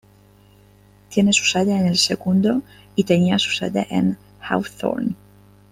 Tiene su sede en El Segundo, y tenía su sede en Hawthorne.